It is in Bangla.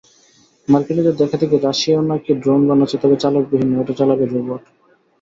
মার্কিনিদের দেখাদেখি রাশিয়াও নাকি ড্রোন বানাচ্ছে, তবে চালকবিহীন নয়—ওটা চালাবে রোবট।